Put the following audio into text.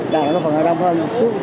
nó có phần hơi đông hơn